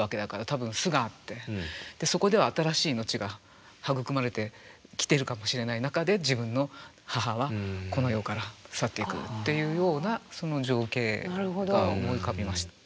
そこでは新しい命が育まれてきてるかもしれない中で自分の母はこの世から去っていくっていうようなその情景が思い浮かびました。